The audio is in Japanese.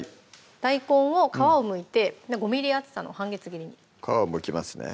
大根を皮をむいて５ｍｍ厚さの半月切りに皮をむきますね